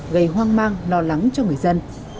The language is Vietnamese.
gây hoang mang lo lắng cho người dân